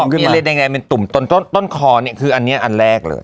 เขาบอกมีอะไรแดงแดงเป็นตุ่มต้นต้นต้นคอเนี้ยคืออันเนี้ยอันแรกเลย